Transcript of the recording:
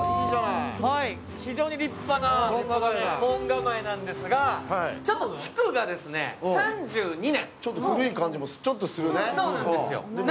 非常に立派な門構えなんですが、ちょっと築が３２年。